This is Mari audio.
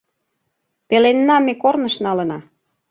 Пеленна ме корныш налына.